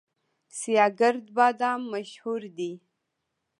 سیاه ګرد بادام مشهور دي؟